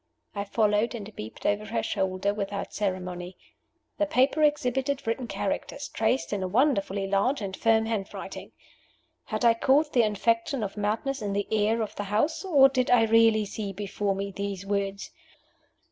I followed and peeped over her shoulder without ceremony. The paper exhibited written characters, traced in a wonderfully large and firm handwriting. Had I caught the infection of madness in the air of the house? Or did I really see before me these words?